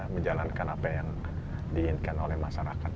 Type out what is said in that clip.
menjalankan apa yang diinginkan oleh masyarakat